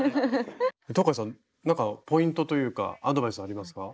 東海さんなんかポイントというかアドバイスありますか？